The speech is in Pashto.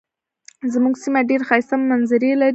زمونږ سیمه ډیرې ښایسته منظرې لري.